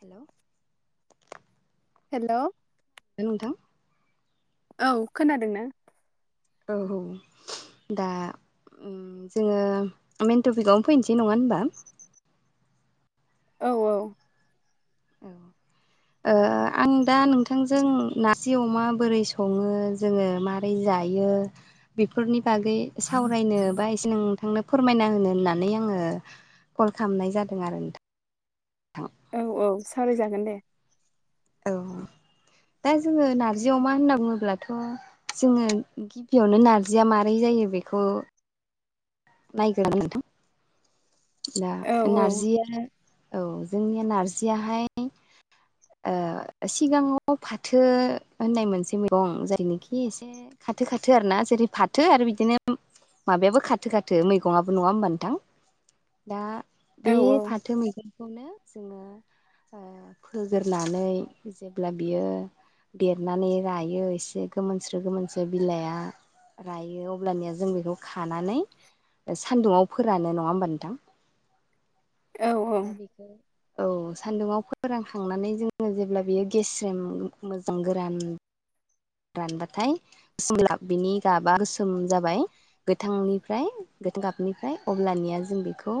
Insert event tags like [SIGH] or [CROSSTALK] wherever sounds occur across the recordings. हेल' hello न नोंथां औ खोनादों न औ दा जोङो मइेन टपिकआवनो फैनोसै नङा होनबा औ औ औ आं दा नोंथांजों नारजि अमा बोरै सङो जोङो माबारै जायो बेफोरनि बागै सावरायनो बाय नोंथांनो फोरमायना होनो होननानै आङो कल खालामनाय जादों आरो नोंथां औ औ सावरायजागोन दे औ [INAUDIBLE] दा जोङो नार्जि अमा होनना बुङोब्लाथ' जोङो गिबियावनो नारजिया माबारै जायो बेखौ नाय नथ दा औ औ नारजिया औ जोंनिया नारजियाहाय सिगाङाव फाथो होननाय मोनसे मैगं जायनोखि एसे खाथो खाथो आर ना जेरै फाथो आरो बिदिनो माबायाबो खाथो खाथो मैगङाबो नङा होमबा नोंथां दा बे औ फाथो मैगंखौनो जोङो आ फोग्रोननानै जेब्ला बियो देरनानै रायो एसे गोमोनस्रो गोमोनसो बिलाइआ रायो अब्लानिया जों बेखौ खानानै सान्दुङआव फोरानो नङा होमबा नोंथां औ ओं दा बेखौ औ सान्दुङाव फोरानखांनानै जोङो जेब्ला बियो गेस्रेम मोजां गोरान रानबाथाय गोसोम बिनि गाबा गोसोम जाबाय गोथांनिफ्राय गोथां गाबनिफ्राय अब्लानिया जों बेखौ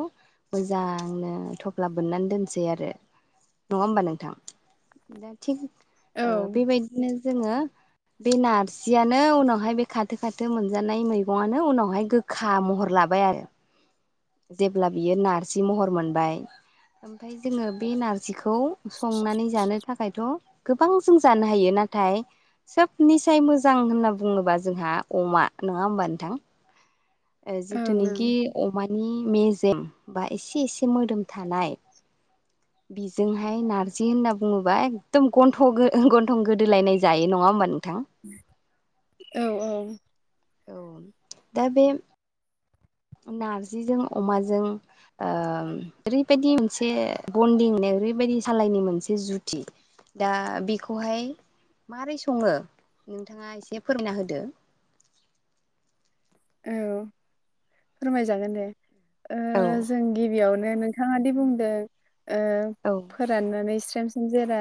मोजांनो थफ्ला बोननानै दोनसै आरो नङा होमबा नोंथां दा थिग ओ बेबायदिनो जोङो बे नारजियानो उनावहाय बे खाथो खाथो मोनजानाय मैगङानो उनावहाय गोखा महर लाबाय आरो [INAUDIBLE] जेब्ला बियो नारजि महर मोनबाय ओमफाय जोङो बे नारजिखौ संनानै जानो थाखायथ' गोबां जों जानो हायो नाथाय सोबनिसाय मोजां होनना बुङोबा जोंहा अमा नङा होमबा नोंथां ओं जिथुनाखि अमानि मेजेम बा एसे एसे मोदोम थानाय [INAUDIBLE] बिजोंहाय नार्जि होनना बुङोब्ला एकदम गन्थ गन्थं गोदोलायनाय जायो नङा होमबा नोंथां। औ औ औ दा बे नारजिजों अमाजों ओम ओरैबायदि मोनसे बन्दिं ओरैबायदि सालायनि मोनसे जुथि दा बेखौहाय मारोरै सङो नोंथाङा एसे फोरमना होदो औ फोरमायजागोन दे ओ औ जों गिबियावनो नोंथाङा दि बुंदों ओ औ फोराननानै स्रेम स्रेम जेरा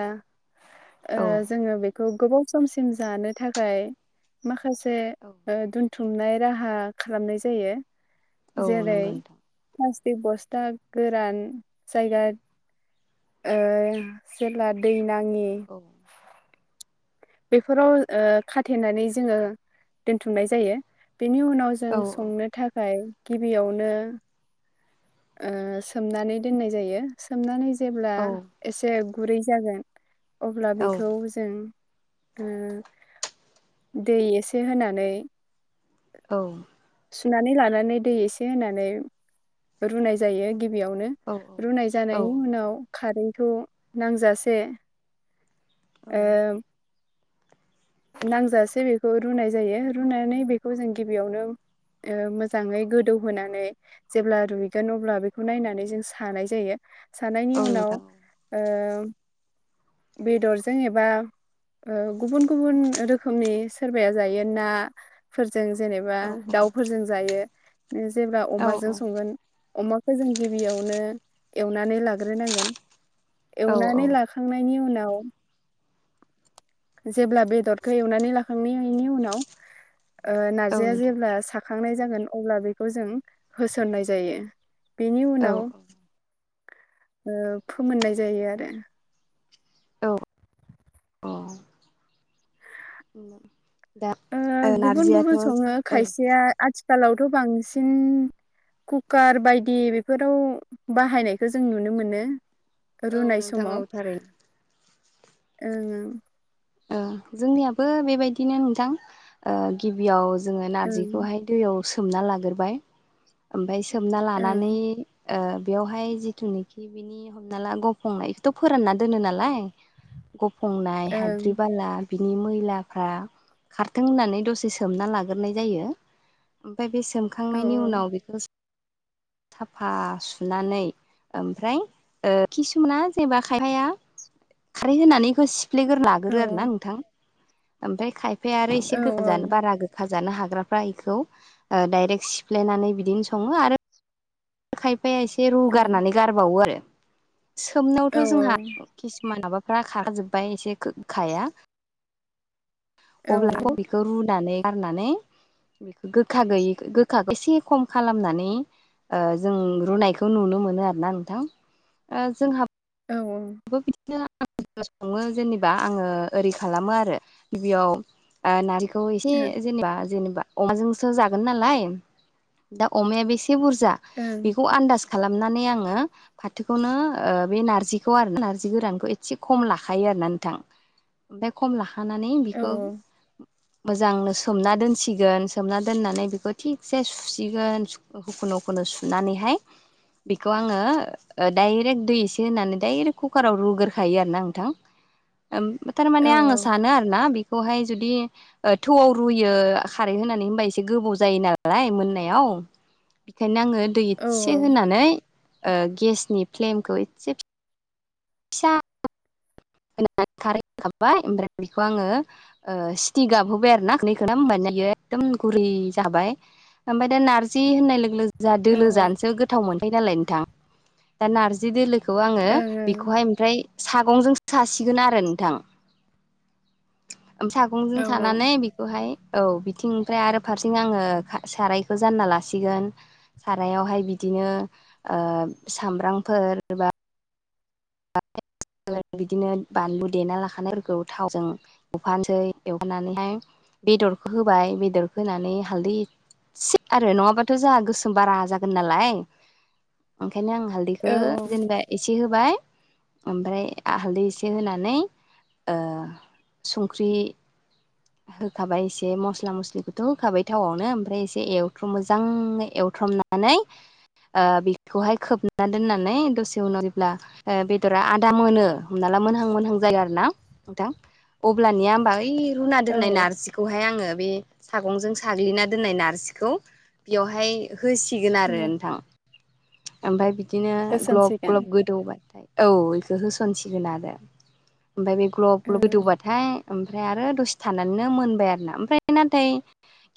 औ जोङो बे खौ गोबाव समसिम जानो थाखाय माखासे औ ओ दोनथुमनाय राहा खालामनाय जायो औ जेरै नंगौ नोंथां प्लास्टिक बस्था गोरान जायगा ओ जला दै नाङि औ बेफोराव ओ खाथेनानै जोङो दोनथुमनाय जायो बेनि उनाव जों औ संनो थाखाय गिबियावनो सोमनानै ओ दोननाय जायो। सोमनानै जेब्ला औ एसे गुरै जागोन अब्ला औ बेखौ जों ओं दै एसे होनानै औ सुनानै लानानै दै एसे होनानै रुनाय जायो गिबियावनो औ रुनाय औ जानायनि उनाव कारेन्टखौ नांजासे ओ नांजासे बेखौ रुनाय जायो रुनानै बेखौ जों गिबियावनो ओ मोजाङै गोदौहोनानै जेब्ला रुइगोन अब्ला बेखौ नायनानै जों सानाय जायो सानायनि औ उनाव नोंथां औ ओ बेदरजों एबा गुबुन गुबुन रोखोमनि सोरबाया जायो नाफोरजों जेनेबा औ दाउ फोरजों जायो जेब्ला औ अमाजों संगोन अमाखौ जों गिबियावनो एवनानै लाग्रोनांगोन औ एवनानै ला खांनायनि उनाव जेब्ला बेदरखौ एवनानै लाखांनायनि उनाव ओ औ नार्जिया नोंथां जेब्ला सा खांनाय जागोन अब्ला बेखौ जों होसननाय जायो बेनि औ उनाव ओ फोमोननाय जायो आरो औ औ उम दा गुबुन नारजियाथ' गुबुन सङो खायसेया आथिखालावथ' बांसिन कुकार बायदि बेफोराव बाहायनायखौ जों नुनो मोनो। औ रुनाय नोंथां समाव। औ थारैनो ओं ओं औ जोंनियाबो बेबायदिनो नोंथां ओ गिबियाव जोङो ओं नारजिखौहाय दैयाव सोमना लाग्रोबाय ओमफफ्राय सोमना लानानै ओ बेवहाय जिथुनिखि बिनि हमना ला गफंनाय बेखौथ' फोरानना दोनो नालाय गुफुंनाय हा बाला बिनि मैलाफ्रा खारथों होननानै दसे सोमना लाग्रोनाय जायो। ओमफाय बे ओं सोमखांनायनि उनाव बेखौ साफा सुनानै ओमफ्राय ओ किसुमाना जेनेबा खायफाया खारै होनानैखौ सिफ्लेग्रोना ओं औ लागोरो आरो ना नोंथां ओमफ्राय खाय फाया आरो औ इसे [UNINTELLIGIBLE] बारा गो खाजानो हाग्राफ्रा इखौ डाइरेक्ट सिफ्लेनानै बिदिनो सङो आरो खायफाया एसे रुगारनानै गारबावो आरो औ सोमनायावथ' जोंहा किसुमान माबाफ्रा खाराजोब्बाय एसे गोखाया औ [UNINTELLIGIBLE] खौ रुनानै गारनानै गोखा गैयै गोखाखौ एसे खम खालामनानै ओ जों रुनायखौ नुनो मोनो आरोना नोंथां ओ जोंहा औ औ बो बिदिनो आं सङो जेनेबा आङो ओरै खालामो आरो गिबियाव ओ नारजिखौ एसे जेनेबा जेनेबा अमाजोंसो जागोन नालाय दा अमाया बेसे बुरजा बेखौ आन्दास खालामनानै आङो फाथोखौनो ओ बे नारजि खौ आरो ना नारजि गोरानखौ एसे खम लाखायो आरोना नोंथां। ओमफाय खम लाखानानै औ बिखौ ओं मोजांनो सोमना दोनसिगोन सोमना दोननानै बेखौ थिगसे सुसिगोन हखुनु हखुनु सुनानैहाय बेखौ आङो डाइरेक्ट दै एसे होनानै दडायरेक्ट कुकाराव रुगोरखायो आरो ना नोंथां थारमाने ओं औ आङो सानो औ आ ना बेखौहाय जुदि थौआव रुयो खारै होनानै होनबा एसे गोबाव जायो नालाय मोननायाव। बेखायनो आङो दै एसे होनानै ओ गेसनि फ्लेमखौ एसे [UNINTELLIGIBLE] [UNINTELLIGIBLE] ओमफ्राय बेखौ आङो ओ सिटि गाबहोबाय आरो ना [UNINTELLIGIBLE] बियो एखदम गुरै जाखाबाय ओमफ्राय दा नार्जि होननाय लोगो जा दोलो औ जानोसो गोथाव मोनखोयो नालाय नोंथां दा नारजि दोलो खौ आङो ओं ओं बेखौहाय ओमफ्राय सागंजों सासिगोन आरो नोंथां ओम औ सागंजों सानानै बे खौहाय औ बिथिंनिओफ्राय आरो फारसें आङो खा सारायखौ जानना लासिगोन। सारायावहाय बिदिनो ओ सामब्रामफोर एबा [UNINTELLIGIBLE] बिदिनो बानलु देना लाखानायफोरखौ थावजों एवफानोसै एफामनानैहाय बेदरखौ होबाय बेदरखौ होनानै हालदै सिद आरो नङाबाथ' जा गोसोम बारा जागोन नालाय ओंखायनो आं हाल दैखौ औ जेनेबा एसे होबाय ओमफ्राय हालदै एसे होनानै ओ संख्रि [UNINTELLIGIBLE] होखाबाय एसे मस्ला मस्लिखौथ' होखाबाय थावआवनो ओमफ्राय एसे एवथ्र' मोजाङै एवथ्रमना नानै ओ बेखौहाय खोबना दोननानै दसे उनाव जेब्ला। ओ बेदरा आदा मोनो हमना ला मोनहां-मोनहां जायो आरोना नोंथां। अब्लानिया होमबा ओय रुना दोननाय औ नारजि खौहाय आङो बे सागंजों साग्लिना दोननाय नारजिखौ। बेवहाय होसिगोन आरो औ नोंथां ओमफ्राय बिदिनो होसनसिगोन ग्लब-ग्लब गो दौबाय औ बेखौ होसनसिगोन आरो ओमफ्राय बे ग्लब-ग्लब गोदौबा थाय ओमफ्राय आरो दसे थानानैनो मोनबाय आरोना ओमफ्राय नाथाय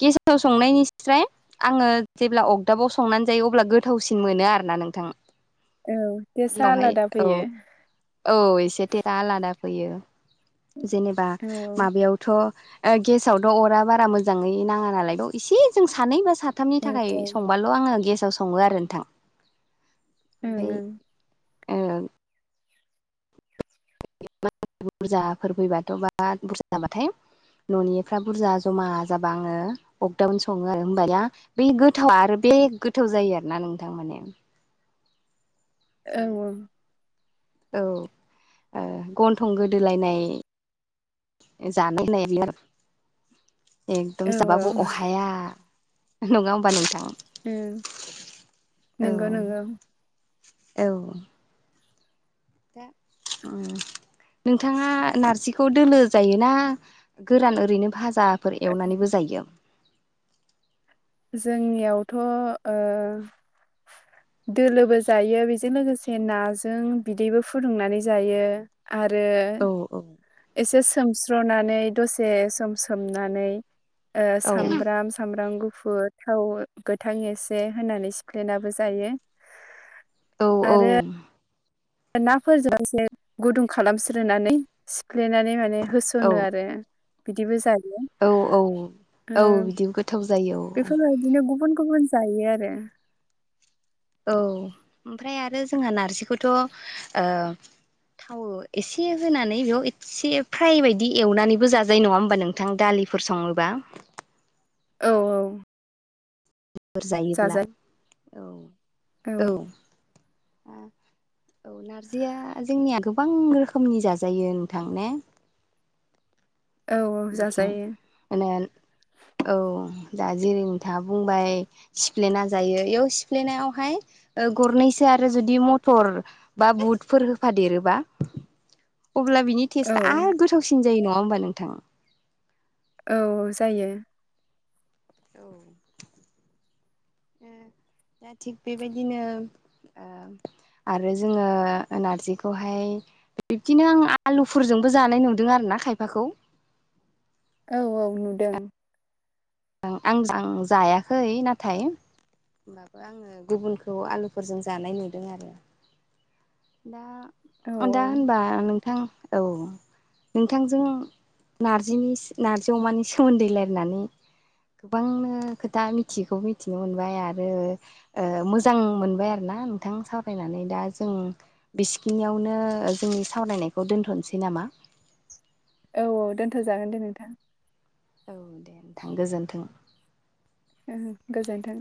गेसाव संनायनिस्राय। आङो जेब्ला अगदाबाव संनानै जायो अब्ला गोथावसिन मोनो आरोना नोंथां। औ तेसा आलादा फैयो औ-औ एसे थेफा आलादा फैयो जेने बा औ माबायावथ'। ओ गेसावथ' अरा बारा मोजाङै नाङा नालाय द एसे जों सानै बा साथामनि औ थाखाय औ संबा ल' आङो गेसाव सङो आरो नोंथां ओं ओमफाय ओ। बुरजाफोर फैबाथ' बाथ बुरजा बाथाय। न'निफ्रा बुरजा जमा जाबा आङो अगदाबावनो सङो आङो होमानिया बै गोथावा आरो बे गोथाव जायो आरोना नोंथां माने। औ औ जानो औ ओ गन्थं गोदोलायनाय। ओ [INAUDIBLE] एकदम औ जाबाबो अहाया नङा होमबा नोंथां? उम औ नंगौ-नंगौ। औ। दा उम। नोंथाङा नारजिखौ दोलो जायोना गोरान ओरैनो भाजा? फोर एवनानैबो जायो। जोंनियावथ'ओ दोलोबो जायो बेजों लोगोसे नाजों बिदैबो फुदुंनानै जायो। आरो औ एसे सोमस्र'नानै दसे सम सोमनानै। ओ औ सामब्राम सामब्राम गु फुद थाव गोथां एसे होनानै सिफ्लेेनाबो जायो। औ-औ। नाफोरजोंसे गुदुं खालामस्रोनानै सिफ्लेनानै मा ने होस'नो आरो बिदिबो जायो। औ-औ-औ बिदि गोथाव जायो औ। बिदिनो गुबुन-गुबुन जायो आरो। औ ओमफ्राय आरो जोंहा नारजिखौथ'ओ थावो एसे होनानै बेयाव ए एसे फ्राय बायदि एवनानैबो जाजायो नङा होमबा नोंथां? दालिफोर सङोबा। औ औ बुरजायोब्ला जाजायो औ औ औ नारजिया जोंनिया गोबां रोखोमनि जाजायो नोंथां ने औ औ बिथिं जाजायो माने औ दा जेरै- नोंथाङा बुंबाय सिफ्लेना जायो इयाव सिफ्लेनायावहाय ओ गरनैसो आरो जुदि मटर बा बुटफोर होफादेरोबा। अब्ला बिनि औ टेस्टआ आरो गोथावसिन जायो नङा होमबा नोंथां? औ जायो। ओ [UNINTELLIGIBLE] दा थिग बेबायदिनो ओ [INAUDIBLE] आरो जोङो नारजिखौहाय बिब्दिनो आं आलुफोरजोंबो जानाय नुदों आरोोना खायफाखौ औ औ नुदों आं आं जायाखै नाथाय होनबाबो आङो गुबुनखौ आलुफोरजों जानाय नुदों आरो दा औ दा होनबा नोंथां औ नोंथांजों नारजिनि नार्जि अमानि सोमोन्दै रायनानै गोबांनो खोथा मिथियैखौ मिथिनो मोनबाय आरो मोजां मोनबाय आरोोना नोंथां सावरायनानै दा जों बिसिखिनियावनो जोंनि सावरायनायखौ दोनथ'नोसै नामा औ औ दोन्थ' जागोन दे नोंथां औ दे नोंथां गोजोन्थों ओ गोजोन्थों